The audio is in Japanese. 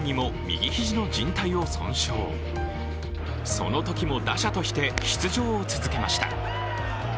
そのときも打者として出場を続けました。